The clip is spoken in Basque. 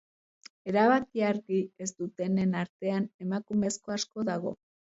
Erabakia argi ez dutenen artean emakumezko asko dago.